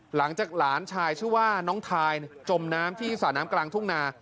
หลังจากหลานชายชื่อว่าน้องทายจมน้ำที่สระน้ำกลางทุ่งนา